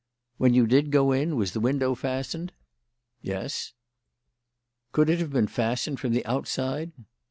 "When you did go in, was the window fastened?" "Yes." "Could it have been fastened from the outside?"